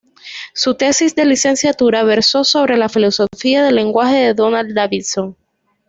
Su tesis de licenciatura versó sobre la filosofía del lenguaje de Donald Davidson.